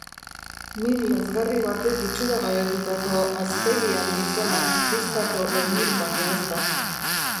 Min lazgarri batek itxuragabetutako azpegien gizona, pistako Emil baino ez da.